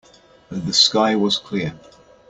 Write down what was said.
The sky was clear.